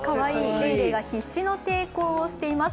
レイレイが必死の抵抗をしています。